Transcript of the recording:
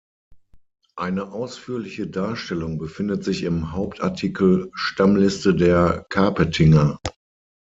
Eine ausführliche Darstellung befindet sich im Hauptartikel Stammliste der Kapetinger.